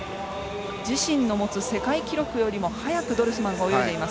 自身の持つ世界記録よりも速くドルスマンが泳いでいます。